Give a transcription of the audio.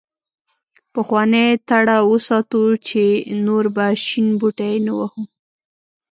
پخوانۍ تړه وساتو چې نور به شین بوټی نه وهو.